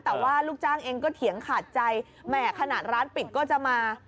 แต่ว่าลูกจ้างเองก็เถียงขาดใจแหมขนาดร้านปิดก็จะมา